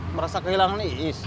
merasa kehilangan iis